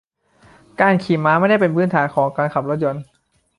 การขี่ม้าไม่ได้เป็นพื้นฐานของการขับรถยนต์